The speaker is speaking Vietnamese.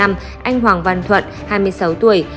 anh hoàng văn thuận hai mươi sáu tuổi